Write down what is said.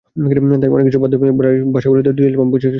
তাই অনেক কৃষক বাধ্য হয়ে ভাড়ায়চালিত ডিজেল-পাম্প বসিয়ে খেতে সেচ দিচ্ছেন।